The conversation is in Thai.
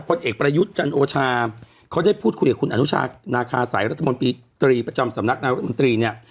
เอกประยุทธ์จันโอชาเขาได้พูดคุยกับคุณอนุชานาคาสัยรัฐมนตรีตรีประจำสำนักนายรัฐมนตรีเนี่ย